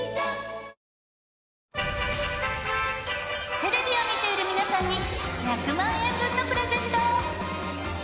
テレビを見ている皆さんに１００万円分のプレゼント。